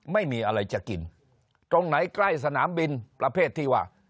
ไม่มีอะไรจะกินตรงไหนใกล้สนามบินประเภทที่ว่า